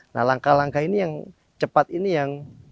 nah langkah langkah ini yang cepat ini yang